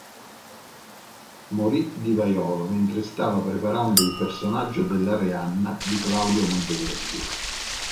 Morì di vaiolo mentre stava preparando il personaggio dell'Arianna di Claudio Monteverdi.